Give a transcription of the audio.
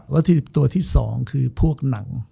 วัตถุดิบตัวที่สองคือพวกหนัง